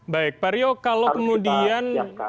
baik pak rio kalau kemudian